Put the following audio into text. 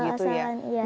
membuat yang asal asalan